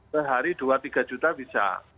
sehari dua tiga juta bisa